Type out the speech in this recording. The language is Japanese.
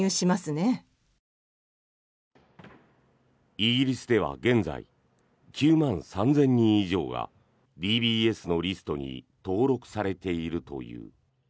イギリスでは現在９万３０００人以上がＤＢＳのリストに登録されているという。